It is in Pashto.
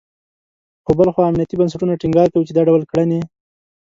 خو بل خوا امنیتي بنسټونه ټینګار کوي، چې دا ډول کړنې …